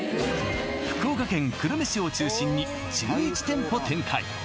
福岡県久留米市を中心に１１店舗展開